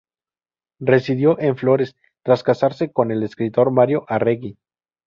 Residió en Flores tras casarse con el escritor Mario Arregui.